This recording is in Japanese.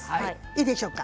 いいでしょうか。